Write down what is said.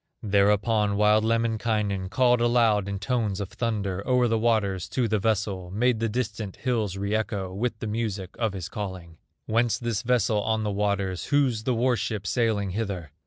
Thereupon wild Lemminkainen Called aloud in tones of thunder O'er the waters to the vessel; Made the distant hills re echo With the music of his calling: "Whence this vessel on the waters, Whose the war ship sailing hither?"